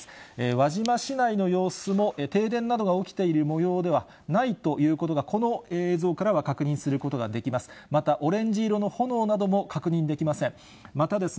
輪島市内の様子も停電などが起きているもようではないということが、この映像からは確認することができます。